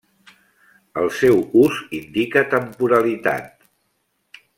El seu ús indica temporalitat.